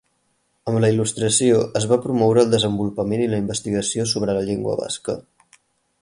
Amb la Il·lustració es va promoure el desenvolupament i la investigació sobre la llengua basca.